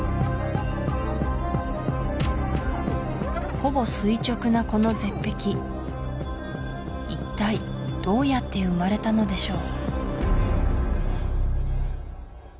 ほぼ垂直なこの絶壁一体どうやって生まれたのでしょう？